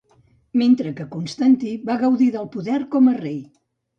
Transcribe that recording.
Mentre que Constantí va gaudir del poder com a rei.